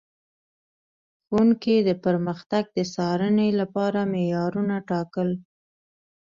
ښوونکي د پرمختګ د څارنې لپاره معیارونه ټاکل.